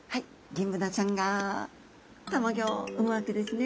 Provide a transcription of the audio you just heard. ギンブナちゃんがたまギョを産むわけですね。